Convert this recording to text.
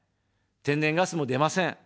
天然ガスも出ません。